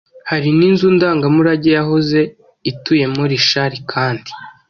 hari n’inzu ndangamurage yahoze ituyemo Rishari Kanti